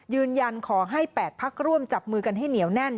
ยืนยันขอให้๘พักร่วมจับมือกันให้เหนียวแน่น